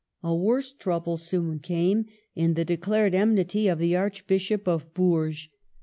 A worse trouble soon came, in the declared enmity of the Archbishop of Bourges.